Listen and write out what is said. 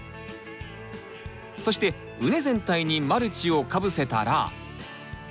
そして畝全体にマルチをかぶせたら。